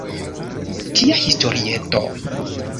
Tia historieto.